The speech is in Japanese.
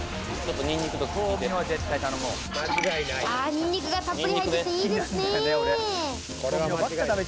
ニンニクがたっぷり入ってて、いいですね。